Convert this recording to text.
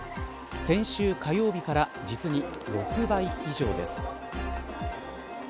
先週火曜日から実に６倍以上です。